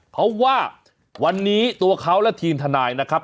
เพราะว่าวันนี้ตัวเขาและทีมทนายนะครับ